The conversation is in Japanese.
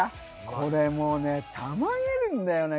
これもうねたまげるんだよね